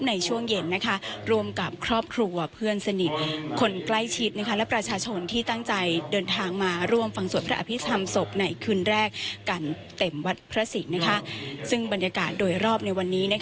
ในคืนแรกการเต็มวัดพระศริกษ์ซึ่งบรรยากาศโดยรอบในวันนี้